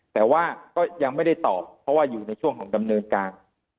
แต่ว่าก็ยังไม่ได้ตอบเพราะว่าอยู่ในช่วงของดำเนินการ